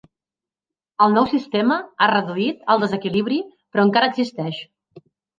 El nou sistema ha reduït el desequilibri però encara existeix.